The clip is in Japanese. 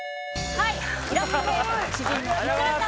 はい！